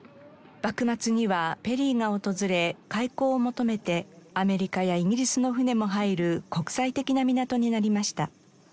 幕末にはペリーが訪れ開港を求めてアメリカやイギリスの船も入る国際的な港になりました。